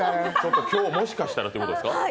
今日もしかしたらってことですか？